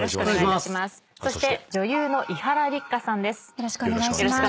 そして女優の伊原六花さんです。